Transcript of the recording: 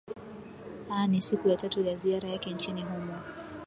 a ni siku ya tatu ya ziara yake nchini humo